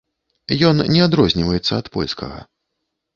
Ён не адрозніваецца ад польскага.